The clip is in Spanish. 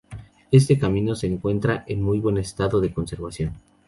Este camino, se encuentra en muy buen estado de conservación.